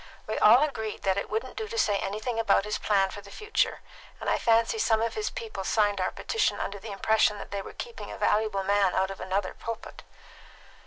We all agreed that it wouldn't do to say anything about his plan for the future, and I fancy some of his people signed our petition under the impression that they were keeping a valuable man out of another pulpit."